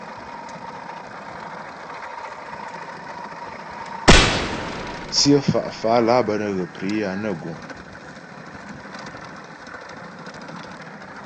Tsyə fá fálà bə́ nə́ ghə priyà nə guŋ.